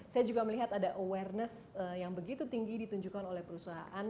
saya juga melihat ada awareness yang begitu tinggi ditunjukkan oleh perusahaan